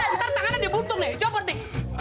ntar tangannya dia buntung ya copot deh